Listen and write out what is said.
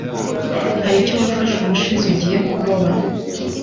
hari icyo wafashe ubushize ugiye kuroba